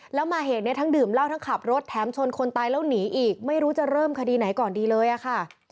แล้วมาเหตุนี้ทั้งดื่มเหล้าทั้งขับรถแถมชนคนตายแล้วหนีอีกไม่รู้จะเริ่มคดีไหนก่อนดีเลยอะค่ะ